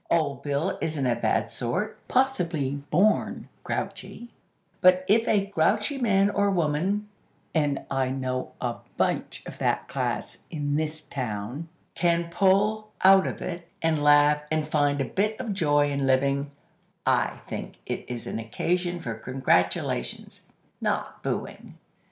Old Bill isn't a bad sort; possibly born grouchy; but if a grouchy man or woman, (and I know a bunch of that class in this town!) can pull out of it, and laugh, and find a bit of joy in living, I think it is an occasion for congratulations, not booing."